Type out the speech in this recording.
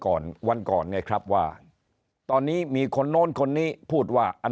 ก่อนวันก่อนเนี่ยครับว่าตอนนี้มีคนโน้นคนนี้พูดว่าอัน